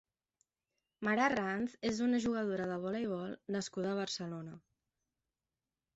Mar Arranz és una jugadora de voleibol nascuda a Barcelona.